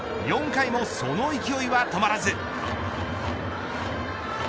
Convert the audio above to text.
４回もその勢いは止まらず。